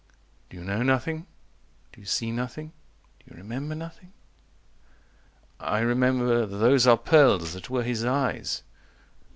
120 "Do "You know nothing? Do you see nothing? Do you remember "Nothing?" I remember Those are pearls that were his eyes.